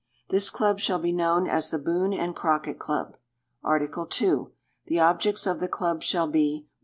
This Club shall be known as the Boone and Crockett Club. Article II. The objects of the Club shall be 1.